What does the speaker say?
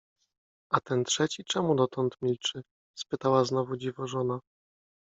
A ten trzeci czemu dotąd milczy? — spytała znowu dziwożona.